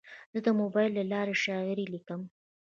زه د موبایل له لارې شاعري لیکم.